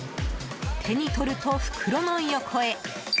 手に取ると袋の横へ。